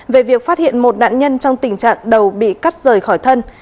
về việc phát hiện một nạn nhân trong tình trạng đầu bị cắt rời khỏi thân